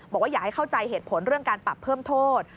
บอกว่าอยากให้เข้าใจเหตุผลเรื่องการปรับเพิ่มโทษ